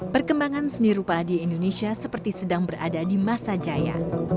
perkembangan seni rupa di indonesia seperti sedang berada di masa jaya